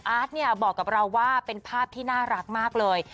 อาร์ตเนี่ยบอกกับเราว่าเป็นภาพที่น่ารักมากเลย